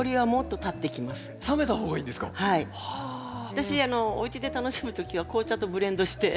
私おうちで楽しむ時は紅茶とブレンドして。